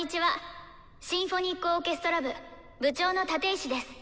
シンフォニックオーケストラ部部長の立石です。